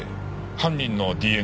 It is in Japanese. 犯人のＤＮＡか。